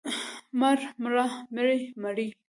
مړ، مړه، مړه، مړې.